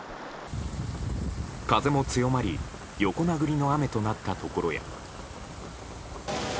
風も強まり横殴りの雨となったところや。